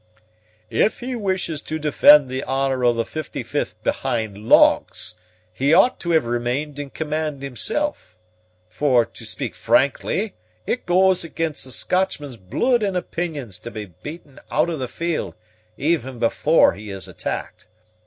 "If he wishes to defend the honor of the 55th behind logs, he ought to have remained in command himsel'; for, to speak frankly, it goes against a Scotchman's bluid and opinions to be beaten out of the field even before he is attacked.